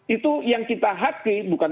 itu yang kita hati bukan